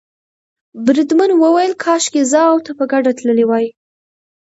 بریدمن وویل کاشکې زه او ته په ګډه تللي وای.